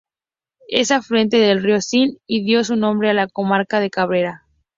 Es afluente del río Sil y dio su nombre a la comarca de Cabrera.